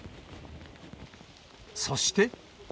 そして。